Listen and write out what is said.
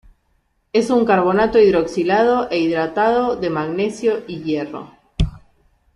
Es un carbonato hidroxilado e hidratado de magnesio y hierro.